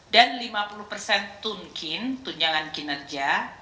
dan lima puluh tunkin tunjangan kinerja